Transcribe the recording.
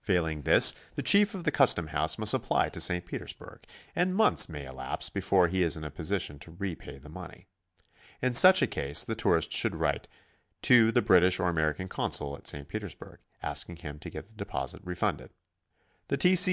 Failing this, the Chief of the custom house must apply to St. Petersburg, and months may elapse before he is in a position to repay the money. In such a case the tourist should write to the British or American consul at St. Petersburg, asking him to get the deposit refunded. The T. C.